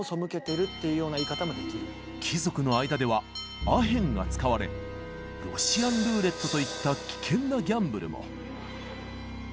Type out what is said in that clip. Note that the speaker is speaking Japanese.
貴族の間ではアヘンが使われロシアンルーレットといった危険なギャンブルも。